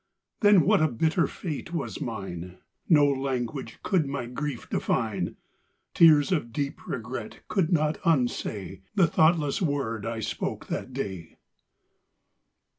Then, what a bitter fate was mine; No language could my grief define; Tears of deep regret could not unsayThe thoughtless word I spoke that day.